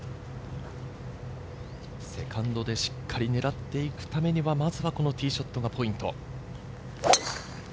セカンドでしっかり狙っていくためには、まずはティーショットがポイント。